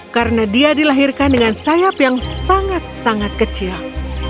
karena dia dilahirkan dengan sayap yang sangat sangat kecil